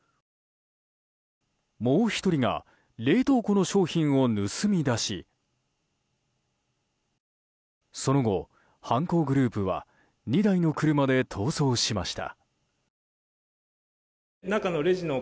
もう１人が冷凍庫の商品を盗み出しその後、犯行グループは２台の車で逃走しました。